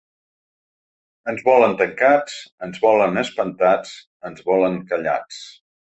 Ens volen tancats, ens volen espantats, ens volen callats.